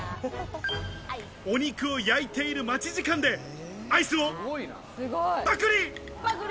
お肉を焼いている待ち時間でアイスをパクリ。